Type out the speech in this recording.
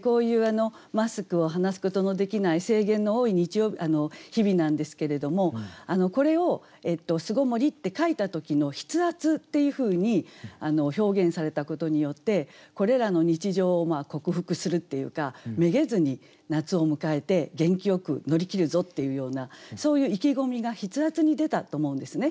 こういうマスクを離すことのできない制限の多い日々なんですけれどもこれを「巣篭もり」って書いた時の筆圧っていうふうに表現されたことによってこれらの日常を克服するっていうかめげずに夏を迎えて元気よく乗り切るぞっていうようなそういう意気込みが筆圧に出たと思うんですね。